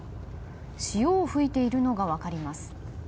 潮を吹いているのが分かります。